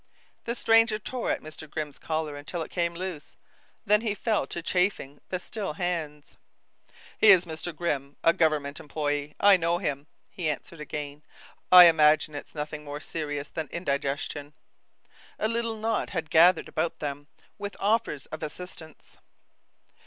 The stranger tore at Mr. Grimm's collar until it came loose, then he fell to chafing the still hands. "He is a Mr. Grimm, a government employee I know him," he answered again. "I imagine it's nothing more serious than indigestion." A little knot had gathered about them, with offers of assistance.